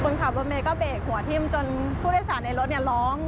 คนขับรถเมย์ก็เบรกหัวทิ้มจนผู้โดยสารในรถร้อง